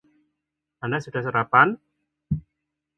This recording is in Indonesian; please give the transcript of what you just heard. Anda sudah sarapan?